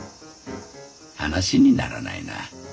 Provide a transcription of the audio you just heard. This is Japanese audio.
話にならないな。